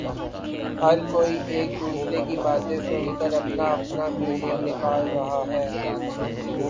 ہر کوئی ایک دوسرے کی باتیں سن کر اپنا اپنا مینینگ نکال رہا ہے